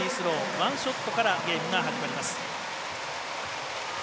ワンショットからゲームが始まります。